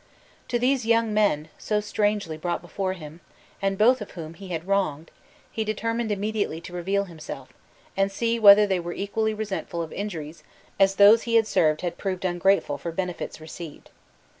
To these young men, so strangely brought before him, and both of whom he had wronged, he determined immediately to reveal himself, and see whether they were equally resentful of injuries as those he had served had proved ungrateful for benefits received.